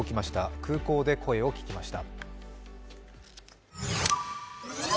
空港で声を聞きました。